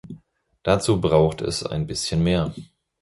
Dazu braucht es ein bisschen mehr.